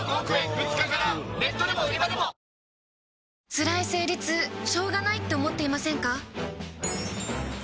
つらい生理痛しょうがないって思っていませんか？